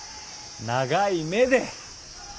長い目で。